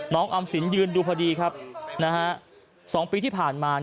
น้องออมสินยืนดูพอดีสองปีที่ผ่านมา